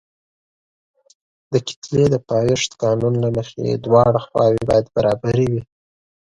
د کتلې د پایښت قانون له مخې دواړه خواوې باید برابرې وي.